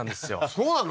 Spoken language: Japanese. そうなの？